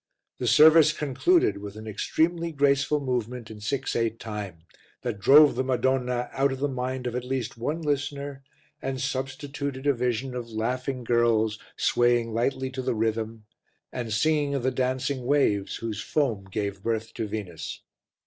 The service concluded with an extremely graceful movement in six eight time, that drove the Madonna out of the mind of at least one listener and substituted a vision of laughing girls swaying lightly to the rhythm and singing of the dancing waves whose foam gave birth to Venus.